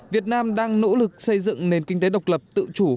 việt nam đang nỗ lực xây dựng nền kinh tế độc lập tự chủ